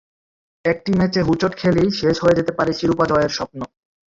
একটি ম্যাচে হোঁচট খেলেই শেষ হয়ে যেতে পারে শিরোপা জয়ের স্বপ্ন।